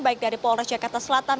baik dari polres jakarta selatan